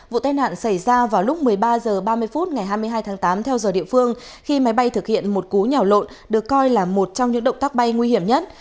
vụ tai nạn xảy ra vào lúc một mươi ba h ba mươi phút ngày hai mươi hai tháng tám theo giờ địa phương khi máy bay thực hiện một cú nhỏ lộn được coi là một trong những động tác bay nguy hiểm nhất